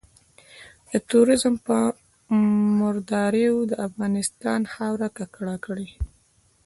د ترورېزم په مرداریو د افغانستان خاوره ککړه کړي.